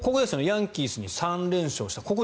ヤンキースに３連勝した。